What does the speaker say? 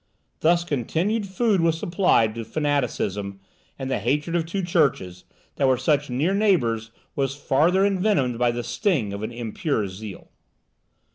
Thus continued food was supplied to fanaticism, and the hatred of two churches, that were such near neighbours, was farther envenomed by the sting of an impure zeal.